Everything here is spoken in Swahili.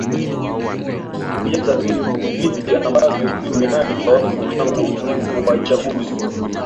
kujaza viti ambavyo vimeachwa wazi tangu uachaguzi